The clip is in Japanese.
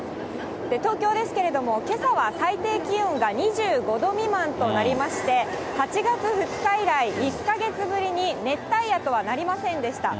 東京ですけれども、けさは最低気温が２５度未満となりまして、８月２日以来、１か月ぶりに熱帯夜とはなりませんでした。